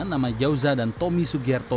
nama jauza dan tomi sugierto